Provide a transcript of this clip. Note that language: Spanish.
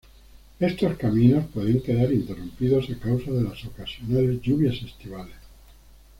Estos caminos pueden quedar interrumpidos a causa de las ocasionales lluvias estivales.